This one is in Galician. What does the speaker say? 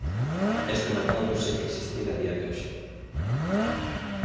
Este mercado segue a existir a día de hoxe.